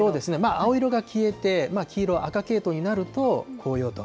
青色が消えて、黄色、赤系統になると、紅葉と。